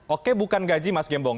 oke bukan gaji mas gembong